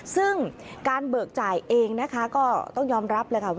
ซึ่งการเบิกจ่ายเองก็ต้องยอมรับ